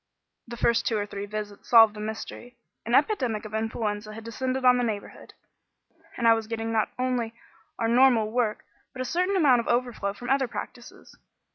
The first two or three visits solved the mystery. An epidemic of influenza had descended on the neighbourhood, and I was getting not only our own normal work but a certain amount of overflow from other practices.